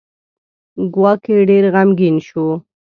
ګواکې ډېر غمګین شو.